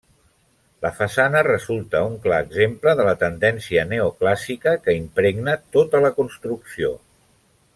La façana resulta un clar exemple de la tendència neoclàssica que impregna tota la construcció.